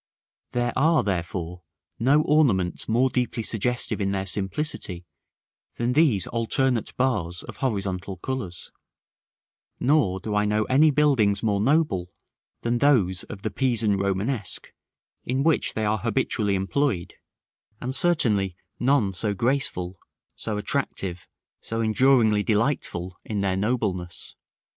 There are, therefore, no ornaments more deeply suggestive in their simplicity than these alternate bars of horizontal colors; nor do I know any buildings more noble than those of the Pisan Romanesque, in which they are habitually employed; and certainly none so graceful, so attractive, so enduringly delightful in their nobleness.